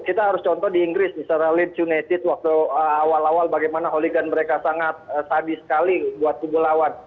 kita harus contoh di inggris misalnya leed united waktu awal awal bagaimana holigan mereka sangat sadis sekali buat kubu lawan